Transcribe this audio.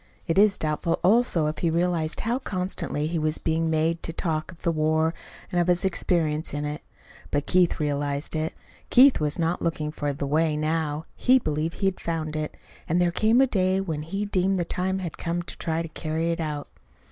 It is doubtful, also, if he realized how constantly he was being made to talk of the war and of his experience in it. But Keith realized it. Keith was not looking for "the way" now. He believed he had found it; and there came a day when he deemed the time had come to try to carry it out.